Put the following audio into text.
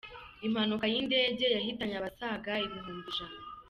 Impanuka y’indege yahitanye abasaga ibihumbi ijana